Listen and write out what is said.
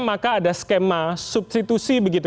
maka ada skema substitusi begitu